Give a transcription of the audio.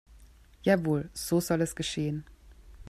Jawohl, so soll es geschehen.